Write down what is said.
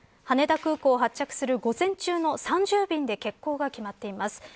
羽田空港を発着する午前中の３０便で欠航が決まっています。